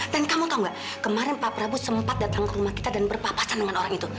dan kamu tahu gak kemarin pak prabu sempat datang ke rumah kita dan berpapasan dengan orang itu